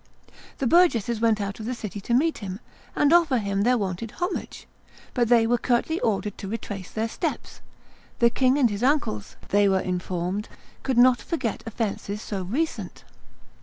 The burgesses went out of the city to meet him, and offer him their wonted homage, but they were curtly ordered to retrace their steps; the king and his uncles, they were informed, could not forget offences so recent.